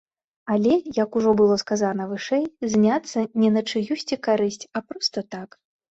Але, як ужо было сказана вышэй, зняцца не на чыюсьці карысць, а проста так.